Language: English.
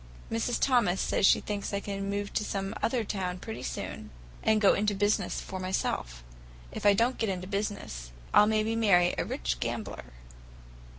Mrs. Thomas says she thinks I can move to some other town pretty soon, and go into business for myself. If I don't get into business, I'll maybe marry a rich gambler."